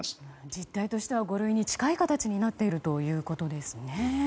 実態としては五類に近い形になっているということですね。